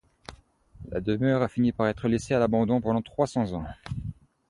La demeure a fini par être laissée à l'abandon pendant trois cents ans.